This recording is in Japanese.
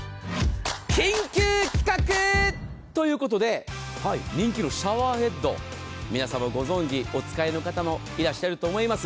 緊急企画！ということで人気のシャワーヘッド皆様ご存じ、お使いの方もいらっしゃると思います。